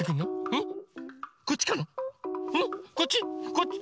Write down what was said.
こっち？